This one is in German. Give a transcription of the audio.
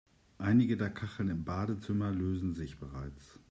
Einige der Kacheln im Badezimmer lösen sich bereits.